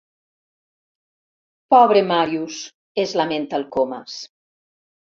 Pobre Màrius —es lamenta el Comas—.